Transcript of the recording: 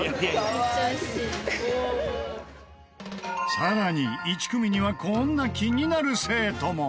更に１組にはこんな気になる生徒も